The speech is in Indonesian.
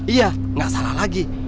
iya nggak salah lagi